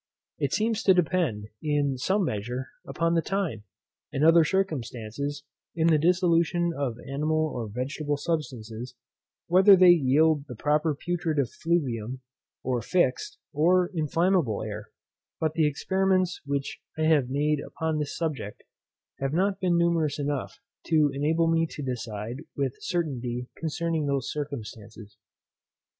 It seems to depend, in some measure, upon the time, and other circumstances, in the dissolution of animal or vegetable substances, whether they yield the proper putrid effluvium, or fixed, or inflammable air; but the experiments which I have made upon this subject, have not been numerous enough to enable me to decide with certainty concerning those circumstances.